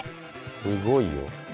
すごいよ。